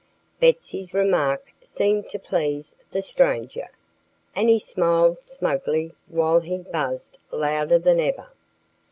Betsy's remark seemed to please the stranger. And he smiled smugly while he buzzed louder than ever.